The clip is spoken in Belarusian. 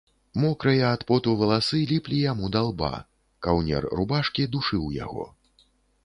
Мокрыя ад поту валасы ліплі яму да лба, каўнер рубашкі душыў яго.